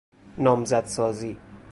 نامزدسازی